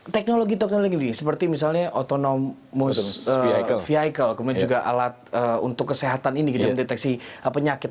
teknologi teknologi seperti misalnya otonomous vehicle kemudian juga alat untuk kesehatan ini gitu mendeteksi penyakit